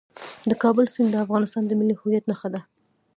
د کابل سیند د افغانستان د ملي هویت نښه ده.